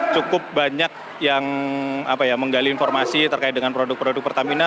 cukup banyak yang menggali informasi terkait dengan produk produk pertamina